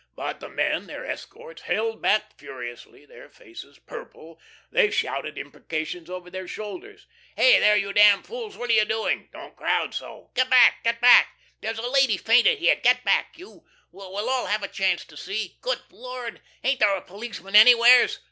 But the men, their escorts, held back furiously; their faces purple, they shouted imprecations over their shoulders. "Here, here, you damn fools, what you doing?" "Don't crowd so!" "Get back, back!" "There's a lady fainted here. Get back you! We'll all have a chance to see. Good Lord! ain't there a policeman anywheres?"